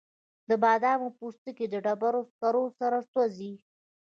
د بادامو پوستکي د ډبرو سکرو سره سوځي؟